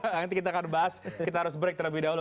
nanti kita akan bahas kita harus break terlebih dahulu